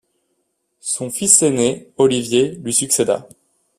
Son fils aîné, Olivier, lui succéda.